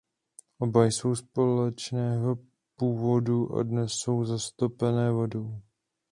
Oba jsou sopečného původu a dnes jsou zatopené vodou.